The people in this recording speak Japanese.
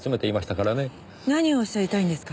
何をおっしゃりたいんですか？